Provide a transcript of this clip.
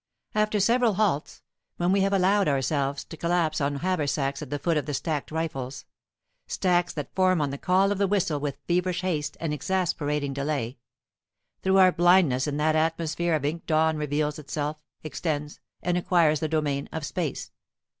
After several halts, when we have allowed ourselves to collapse on our haversacks at the foot of the stacked rifles stacks that form on the call of the whistle with feverish haste and exasperating delay, through our blindness in that atmosphere of ink dawn reveals itself, extends, and acquires the domain of Space.